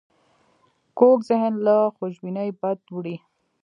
کوږ ذهن له خوشبینۍ بد وړي